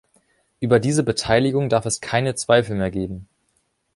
Über diese Beteiligung darf es keine Zweifel mehr geben!